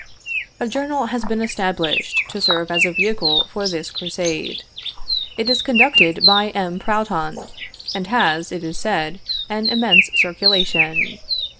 A journal has been established to serve as a vehicle for this crusade. It is conducted by M. Proudhon, and has, it is said, an immense circulation.